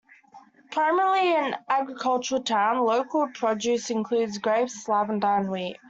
Primarily an agricultural town, local produce includes grapes, lavender and wheat.